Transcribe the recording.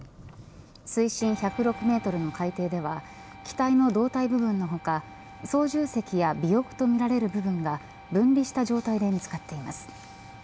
水深１０６メートルの海底では機体の胴体部分の他、操縦席や尾翼とみられる部分が分離した状態で見つかっています。